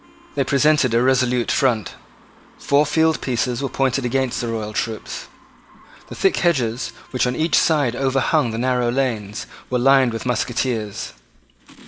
They presented a resolute front. Four field pieces were pointed against the royal troops. The thick hedges, which on each side overhung the narrow lanes, were lined with musketeers.